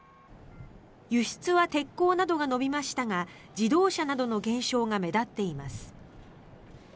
輸出は鉄鋼などが伸びましたが自動車などの減少が目立っています。